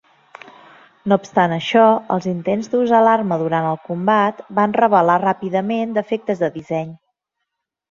No obstant això, els intents d'usar l'arma durant el combat van revelar ràpidament defectes de disseny.